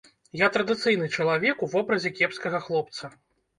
Я традыцыйны чалавек у вобразе кепскага хлопца.